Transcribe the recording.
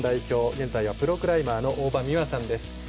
現在はプロクライマーの大場美和さんです。